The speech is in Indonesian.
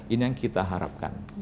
ini yang kita harapkan